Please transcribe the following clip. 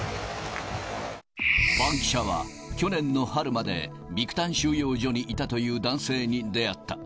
バンキシャは、去年の春までビクタン収容所にいたという男性に出会った。